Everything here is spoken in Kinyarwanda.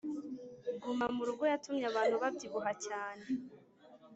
Guma murugo yatumye abantu babyibuha cyane